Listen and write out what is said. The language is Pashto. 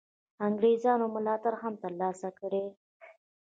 انګرېزانو ملاتړ هم تر لاسه کړي.